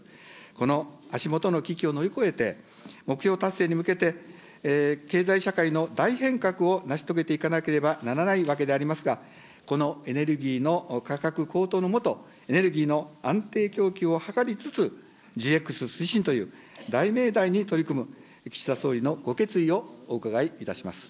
この足下の危機を乗り越えて、目標達成に向けて、経済社会の大変革を成し遂げていかなければならないわけでありますが、このエネルギーの価格高騰のもと、エネルギーの安定供給を図りつつ、ＧＸ推進という、大命題に取り組む、岸田総理のご決意をお伺いいたします。